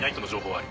はい！